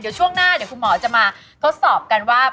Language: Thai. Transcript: เดี๋ยวช่วงหน้าเดี๋ยวคุณหมอจะมาทดสอบกันว่า